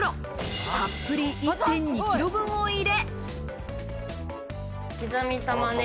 たっぷり１．２キロ分を入れ。